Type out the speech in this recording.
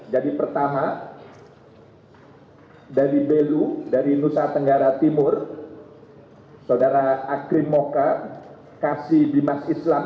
jadi pertama dari belu dari nusa tenggara timur saudara akrim moka kasih bimas islam